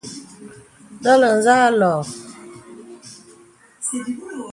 Ndɔ̌là zà lɔ̄ɔ̄.